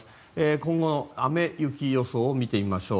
今後の雨・雪予想を見ていきましょう。